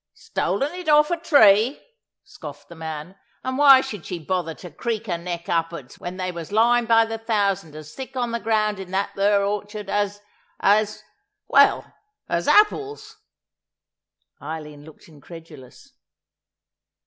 "Stolen it off a tree!" scoffed the man; "and why should she bother to creek her neck up'ards when they was lying by the thousand as thick on the ground in that thur orchard as—as—well, as apples!" Eileen looked incredulous.